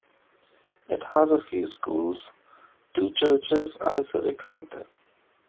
It has a few schools, two churches and a civic centre.